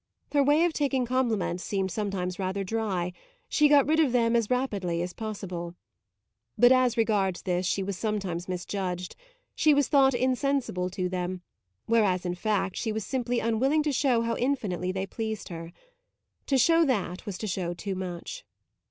Her way of taking compliments seemed sometimes rather dry; she got rid of them as rapidly as possible. But as regards this she was sometimes misjudged; she was thought insensible to them, whereas in fact she was simply unwilling to show how infinitely they pleased her. To show that was to show too much.